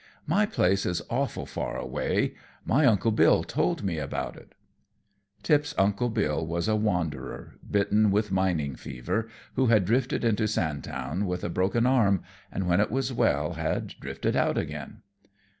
"My place is awful far away. My uncle Bill told me about it." Tip's Uncle Bill was a wanderer, bitten with mining fever, who had drifted into Sandtown with a broken arm, and when it was well had drifted out again.